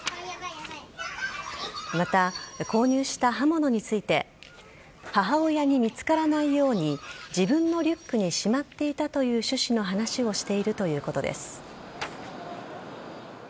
また、購入した刃物について母親に見つからないように自分のリュックにしまっていたという趣旨の話をしているということです。